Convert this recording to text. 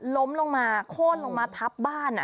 ล้มลงมาโค้นลงมาทับบ้าน